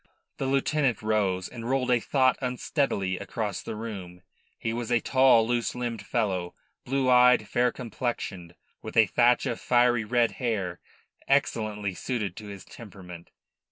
The lieutenant rose, and rolled a thought unsteadily across the room. He was a tall, loose limbed fellow, blue eyed, fair complexioned, with a thatch of fiery red hair excellently suited to his temperament.